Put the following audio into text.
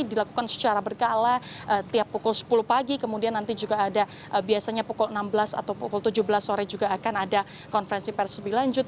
dilakukan secara berkala tiap pukul sepuluh pagi kemudian nanti juga ada biasanya pukul enam belas atau pukul tujuh belas sore juga akan ada konferensi pers lebih lanjut